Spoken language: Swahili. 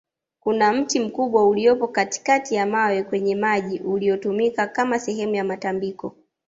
kuna mti mkubwa uliopo katikati ya mawe kwenye maji uliotumika Kama sehemu ya matambiko